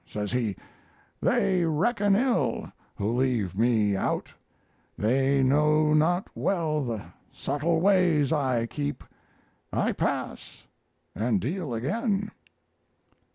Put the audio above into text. Says he: "'They reckon ill who leave me out; They know not well the subtle ways I keep. I pass and deal again!'